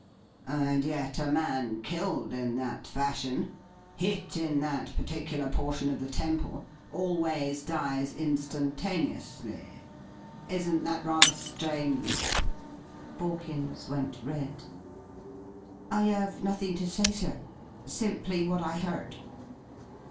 "And yet, a man killed in that fashion, hit in that particular portion of the temple, always dies instantaneously. Isn't that rather strange?" Borkins went red. "I have nothing to say, sir. Simply what I heard."